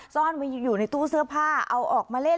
ซ่อนไว้อยู่ในตู้เสื้อผ้าเอาออกมาเล่น